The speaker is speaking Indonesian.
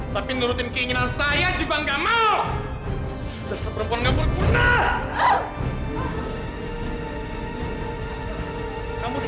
tapi menurut keinginan saya juga tidak mau